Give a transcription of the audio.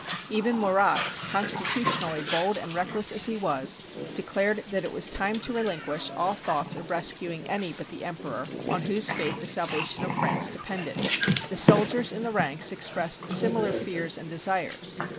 Even Murat, constitutionally bold and reckless as he was, declared that it was time to relinquish all thoughts of rescuing any but the emperor, on whose fate the salva tion of France depended. The soldiers in the ranks ex pressed similar fears and desires.